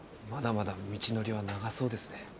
まだまだ道のりは長そうですね。